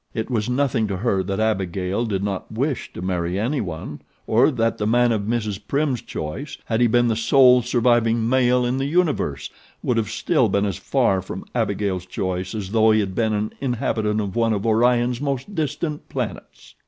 It was nothing to her that Abigail did not wish to marry anyone, or that the man of Mrs. Prim's choice, had he been the sole surviving male in the Universe, would have still been as far from Abigail's choice as though he had been an inhabitant of one of Orion's most distant planets.